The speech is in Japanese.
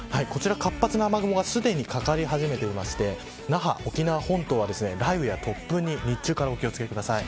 こちら活発な雨雲がすでに掛かり始めていて那覇、沖縄本島は雷雨や突風にお気を付けください。